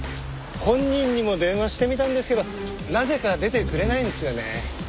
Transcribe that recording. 本人にも電話してみたんですけどなぜか出てくれないんですよね。